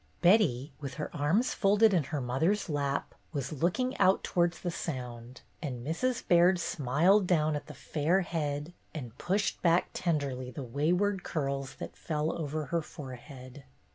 Betty, with her arms folded in her mother's lap, was looking out towards the Sound, and Mrs. Baird smiled down at the fair head and pushed back tenderly the wayward curls that fell over her forehead.